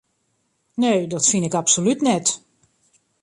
Nee, dat fyn ik absolút net.